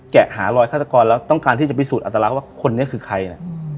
หารอยฆาตกรแล้วต้องการที่จะพิสูจนอัตลักษณ์ว่าคนนี้คือใครนะ